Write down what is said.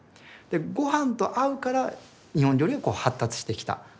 ごはんと合うから日本料理が発達してきたわけで。